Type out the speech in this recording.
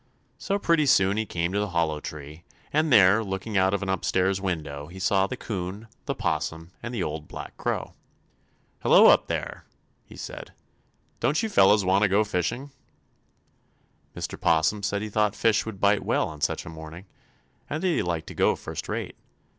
So pretty soon he came to the Hollow Tree, and there, looking out of an upstairs window, he saw the 'Coon, the 'Possum and the Old Black Crow. "Hello, up there!" he said. "Don't you fellows want to go fishing?" Mr. 'Possum said he thought fish would bite well on such a morning, and that he'd like to go first rate.